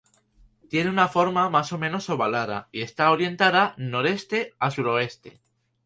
Tiene una forma más o menos ovalada y está orientada noreste a suroeste.